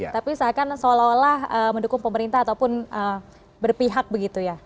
tapi seakan seolah olah mendukung pemerintah ataupun berpihak begitu ya